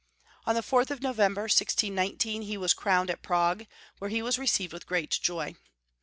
On the 4th of November, 1619, he was crowned at Prague, where he was received with great joy.